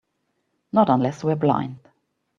Not unless we're blind.